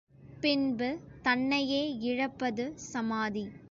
பின்பு தன்னையே இழப்பது சமாதி.